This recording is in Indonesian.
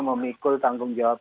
memikul tanggung jawab